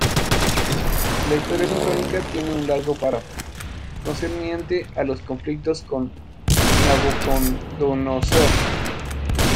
La "Historia sincrónica" tiene un largo párrafo, concerniente a los conflictos con Nabucodonosor.